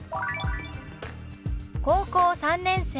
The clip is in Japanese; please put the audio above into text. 「高校３年生」。